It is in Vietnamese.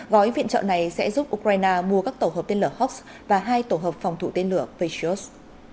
gói viện trợ này sẽ giúp ukraine mua các tổ hợp tên lửa hoks và hai tổ hợp phòng thủ tên lửa patriot